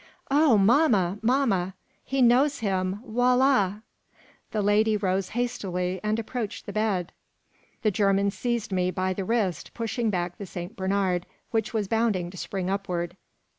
"Oh, mamma! mamma! he knows him. Voila." The lady rose hastily, and approached the bed. The German seized me by the wrist, pushing back the Saint Bernard, which was bounding to spring upward.